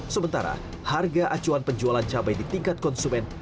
sementara harga acuan penjualan cabai tersebut tidak sejauh ini